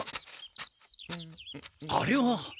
あれは。